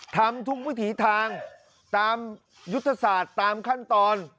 ทำทุกวิถีทางตามยุทธศาสตร์ตามขั้นตอน